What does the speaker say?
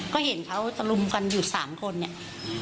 ก็เห็นเขาตะลุมกันอยู่๓คนเนี่ย